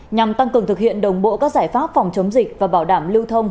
nhằm tăng cường thực hiện đồng bộ các giải pháp phòng chống dịch và bảo đảm lưu thông